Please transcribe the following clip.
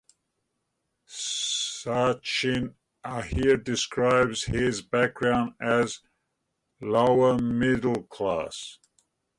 Sachin Ahir describes his background as "lower middle class".